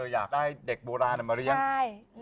อยากได้เด็กโบราณมาเรียก